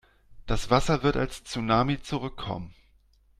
Das Wasser wird als Tsunami zurückkommen.